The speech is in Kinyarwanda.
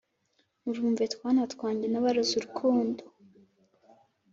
Murumve twana twanjye nabaraze urukundo